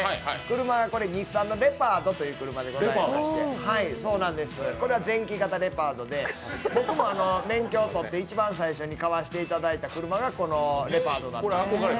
車、日産のレパードという車でございまして、これは前期型レパードで、僕も免許を取って一番ん最初に買わせていただいた車がこのレパードだった。